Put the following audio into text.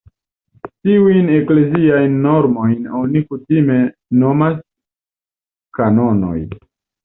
Tiujn ekleziajn normojn oni kutime nomas "kanonoj".